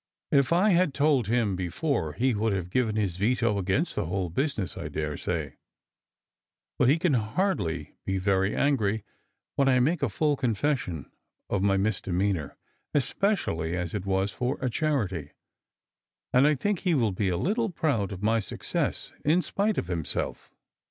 " If I had told him before he would have given his veto against the whole business, I daresay. But he can hardly be very angry when I make a full confession of my misdemeanour, especially as it was for a charity. And I think he will be a Uttle proud of my success, in spite of himself."